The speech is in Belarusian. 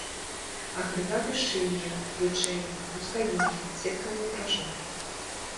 Агрэгаты шчыльныя, уключэнні, лускавінкі, сеткавыя пражылкі.